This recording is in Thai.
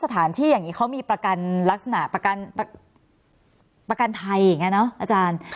สถานที่อย่างนี้เขามีประกันลักษณะประกันภัยอย่างนี้เนอะอาจารย์